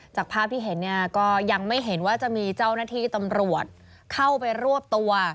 จากภาพที่เห็นเนี่ยก็ยังไม่เห็นว่าจะมีเจ้าหน้าที่ตำรวจเข้าไปรวบตัว